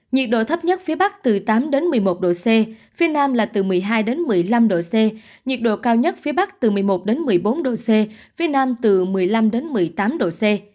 nhiệt độ thấp nhất phía bắc từ tám một mươi một độ c phía nam là từ một mươi hai một mươi năm độ c nhiệt độ cao nhất phía bắc từ một mươi một một mươi bốn độ c phía nam từ một mươi năm một mươi tám độ c